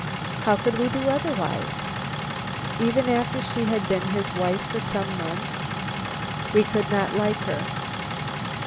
"How could we do otherwise?" "Even after she had been his wife for some months?" "We could not like her."